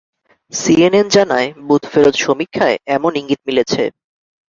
CNN জানায়, বুথফেরত সমীক্ষায় এমন ইঙ্গিত মিলেছে।